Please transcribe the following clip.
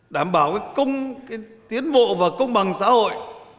đảm bảo tiến bộ và công bằng xã hội